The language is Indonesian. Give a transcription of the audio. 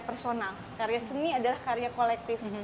personal karya seni adalah karya kolektif